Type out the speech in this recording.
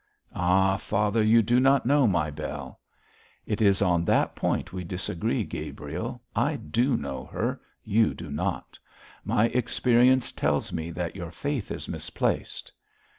'Ah, father, you do not know my Bell.' 'It is on that point we disagree, Gabriel. I do know her; you do not. My experience tells me that your faith is misplaced.'